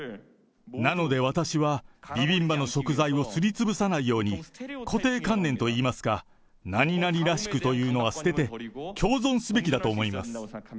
なので、私はビビンバの食材をすりつぶさないように、固定観念といいますか、何々らしくというのは捨てて、共存すべきだと思います。